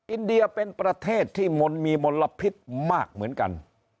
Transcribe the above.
อินเดียเป็นประเทศที่มนต์มีมลพิษมากเหมือนกัน